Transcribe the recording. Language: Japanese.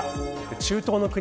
中東の国